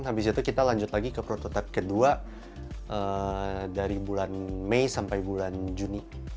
habis itu kita lanjut lagi ke prototipe kedua dari bulan mei sampai bulan juni